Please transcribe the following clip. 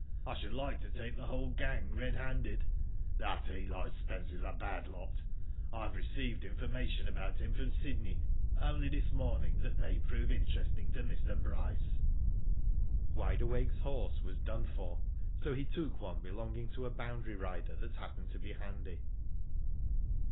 I should like to take the whole gang red handed. That Eli Spence is a bad lot. I have received information about him from Sydney only this morning that may prove interesting to Mr. Bryce." Wide Awake's horse was done for, so he took one belonging to a boundary rider that happened to be handy.